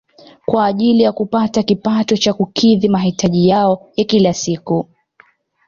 Kwa ajili ya kupata kipato cha kukidhi mahitaji yao ya kila siku